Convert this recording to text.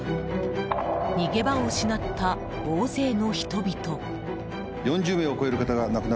逃げ場を失った大勢の人々。